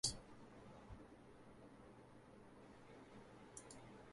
These modes include capture the flag, deathmatch, rabbit-chase, and others.